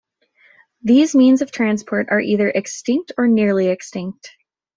These means of transport are either extinct or nearly extinct.